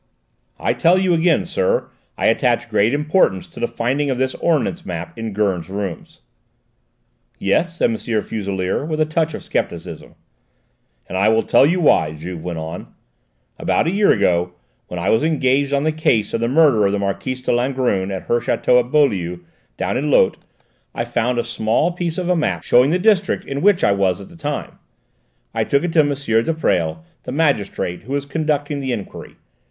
"I tell you again, sir, I attach great importance to the finding of this ordnance map in Gurn's rooms." "Yes?" said M. Fuselier, with a touch of scepticism. "And I will tell you why," Juve went on. "About a year ago, when I was engaged on the case of the murder of the Marquise de Langrune at her château of Beaulieu, down in Lot, I found a small piece of a map showing the district in which I was at the time. I took it to M. de Presles, the magistrate who was conducting the enquiry.